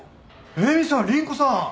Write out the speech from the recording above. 絵美さん凛子さん！